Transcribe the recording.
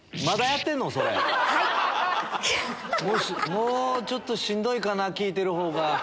もうちょっとしんどいかな聞いてるほうが。